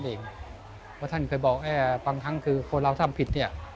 เพราะท่านเคยบอกว่าบางทั้งคนเราทำผิด